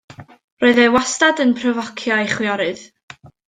Roedd e wastad yn pryfocio ei chwiorydd.